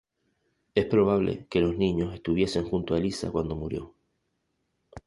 Es probable que los niños estuviesen junto a Eliza cuando murió.